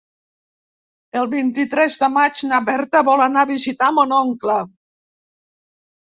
El vint-i-tres de maig na Berta vol anar a visitar mon oncle.